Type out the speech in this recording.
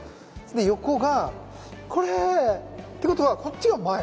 で横がこれってことはこっちが前？